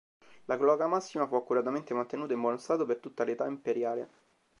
La Cloaca Massima fu accuratamente mantenuta in buono stato per tutta l'età imperiale.